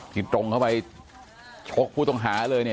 ที่ตรงเข้าไปชกผู้ต้องหาเลยเนี่ย